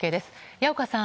矢岡さん